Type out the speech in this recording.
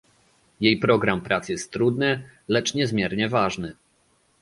Jej program prac jest trudny, lecz niezmiernie ważny